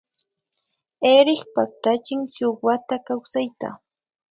Erik paktachin shun wata kawsayta